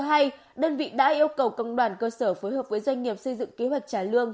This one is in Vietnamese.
nay đơn vị đã yêu cầu công đoàn cơ sở phối hợp với doanh nghiệp xây dựng kế hoạch trả lương